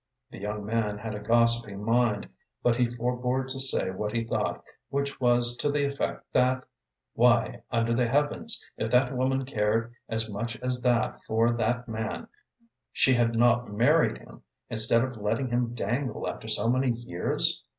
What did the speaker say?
The young man had a gossiping mind, but he forbore to say what he thought, which was to the effect that why under the heavens, if that woman cared as much as that for that man, she had not married him, instead of letting him dangle after her so many years?